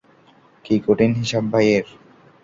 কী কঠিন হিসাব, ভাইয়ের!